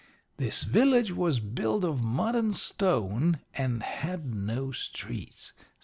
"This village was built of mud and stone, and had no streets.